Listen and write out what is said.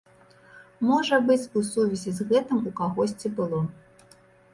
Можа быць, і ў сувязі з гэтым у кагосьці было.